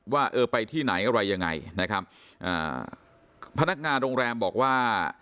ว่าเออไปที่ไหนอะไรยังไงนะครับอ่าพนักงานโรงแรมบอกว่า